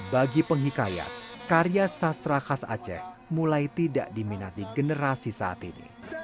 bagi penghikayat karya sastra khas aceh mulai tidak diminati generasi saat ini